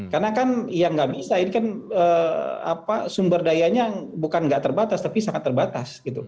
karena kan yang nggak bisa ini kan sumber dayanya bukan nggak terbatas tapi sangat terbatas